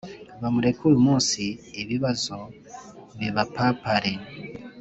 bmreka uyumunsi ibaibazo bibapapare